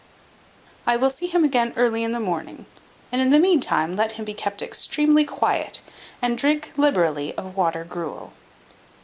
I will see him again early in the morning; and in the meantime let him be kept extremely quiet, and drink liberally of water gruel."